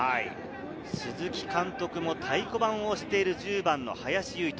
鈴木監督も太鼓判を押している１０番・林結人。